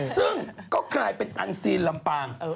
ซึ่งก็กลายเป็นอันซีนลำปาง